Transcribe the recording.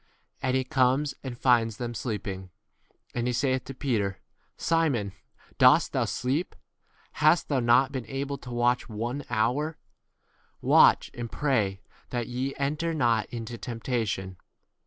3 7 And he comes and finds them sleeping. And he saith to Peter, Simon, dost thou sleep ? Hast thou not been able to watch one 38 hour? "Watch and pray that ye enter not into temptation.